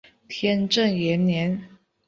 天正元年。